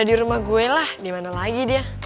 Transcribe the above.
di rumah gue lah dimana lagi dia